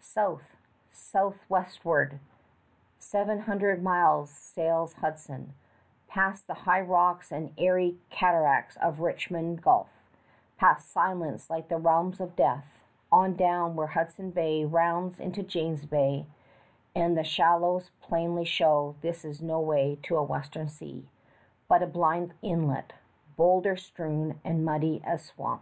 South, southwestward, seven hundred miles sails Hudson, past the high rocks and airy cataracts of Richmond Gulf, past silence like the realms of death, on down where Hudson Bay rounds into James Bay and the shallows plainly show this is no way to a western sea, but a blind inlet, bowlder strewn and muddy as swamps.